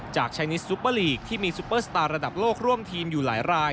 ชายนิสซุปเปอร์ลีกที่มีซุปเปอร์สตาร์ระดับโลกร่วมทีมอยู่หลายราย